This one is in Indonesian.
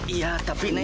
iya tapi neng